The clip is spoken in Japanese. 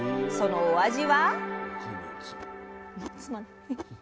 そのお味は。